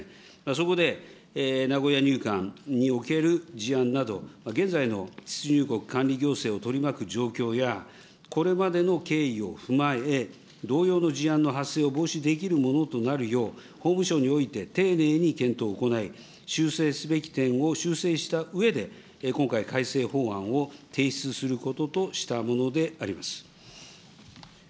そこで、名古屋入管における事案など、現在の出入国管理行政を取り巻く状況や、これまでの経緯を踏まえ、同様の事案の発生を防止できるものとなるよう、法務省において丁寧に検討を行い、修正すべき点を修正したうえで、今回、改正法案を提出することとしたものであります。